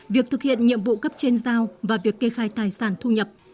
việc thực hiện nhiệm vụ cấp trên giao và việc kê khai tài sản thu nhập